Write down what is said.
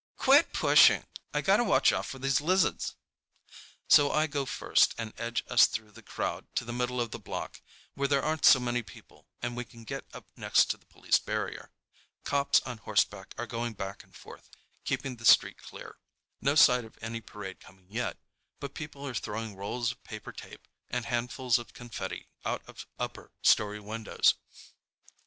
"QUIT PUSHING! I got to watch out for these lizards!" So I go first and edge us through the crowd to the middle of the block, where there aren't so many people and we can get up next to the police barrier. Cops on horseback are going back and forth, keeping the street clear. No sign of any parade coming yet, but people are throwing rolls of paper tape and handfuls of confetti out of upper story windows.